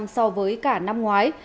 so với cả năm ngoái